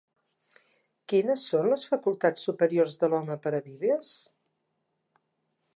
Quines són les facultats superiors de l'home per a Vives?